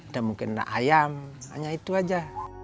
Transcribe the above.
dan mungkin rendak ayam hanya itu saja